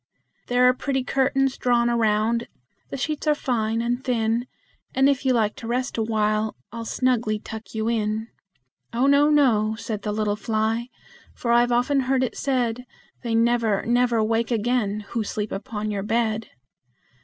"There are pretty curtains drawn around; the sheets are fine and thin, And if you like to rest a while, I'll snugly tuck you in!" "Oh no, no," said the little fly, "for I've often heard it said, They never, never wake again who sleep upon your bed!"